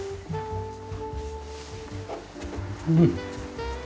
うん！